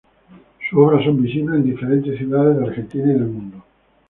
Sus obras son visibles en diferentes ciudades de Argentina y del mundo.